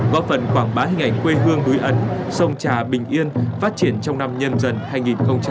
góp phần quảng bá hình ảnh quê hương đuối ẩn sông trà bình yên phát triển trong năm nhân dân hai nghìn hai mươi hai